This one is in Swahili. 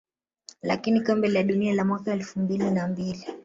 lakini kombe la dunia la mwaka elfu mbili na mbili